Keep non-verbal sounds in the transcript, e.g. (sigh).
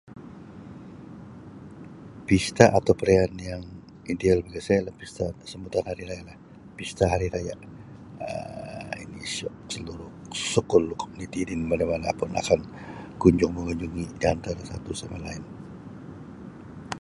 Pista atau perayaan yang ideal bagi saya ialah pista sambutan Hari Raya lah. Pista Hari Raya. Um (unintelligible) seluruh (unintelligible) komuniti di mana-mana pun akan kunjung-mengunjungi di antara satu sama lain.